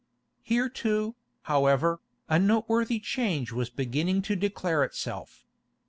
Here too, however, a noteworthy change was beginning to declare itself.